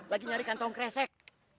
lagi nyari kantong kresek